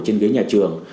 trên ghế nhà trường